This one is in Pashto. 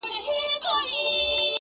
چاته يې لمنه كي څـه رانــه وړل.